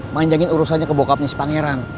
manjangin urusannya ke bokapnya si pangeran